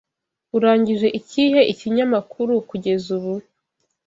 Urangije ikihe ikinyamakuru kugeza ubu